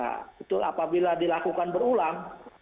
nah itu apabila dilakukan berulang